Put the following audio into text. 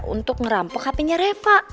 untuk ngerampok hapenya reva